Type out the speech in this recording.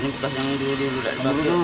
ini bekas yang dulu